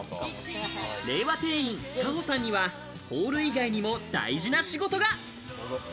令和店員・夏帆さんにはホール以外にも大事な仕事が。